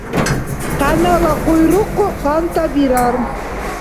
Къянала къуйрукъ къантӀа бирар.